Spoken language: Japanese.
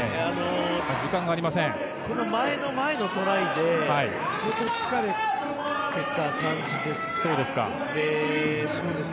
この前の前のトライで相当疲れてた感じです。